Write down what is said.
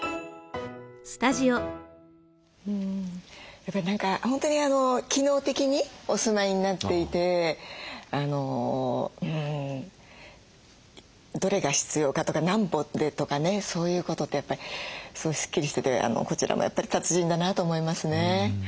やっぱり何か本当に機能的にお住まいになっていてどれが必要かとか何歩でとかねそういうことってやっぱりすごいスッキリしててこちらもやっぱり達人だなと思いますね。